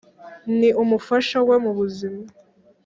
ni umufasha we mu buzima